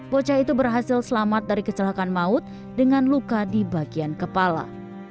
bocah itu berhasil selamat dari kecelakaan maut dengan luka di bagian kepala